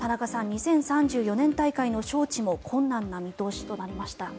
２０３４年大会の招致も困難な見通しとなりました。